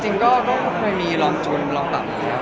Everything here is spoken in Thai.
จริงก็ไม่มีรองจุนรองแบบนี้เลย